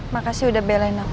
makasih udah belain aku